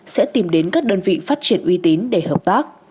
sẽ tìm đến các đơn vị phát triển uy tín để hợp tác